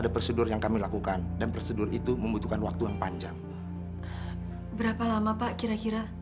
berapa lama pak kira kira